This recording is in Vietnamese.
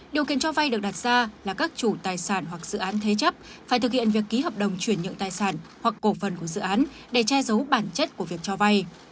điều kiện cho vay được đặt ra là các chủ tài sản hoặc dự án thế chấp phải thực hiện việc ký hợp đồng chuyển nhượng tài sản hoặc cổ phần của dự án để che giấu bản chất của việc cho vay